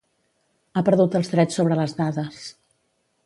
Ha perdut els drets sobre les dades.